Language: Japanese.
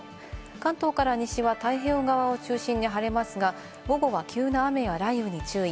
関東から西は太平洋側を中心に晴れますが、午後は急な雨や雷雨に注意。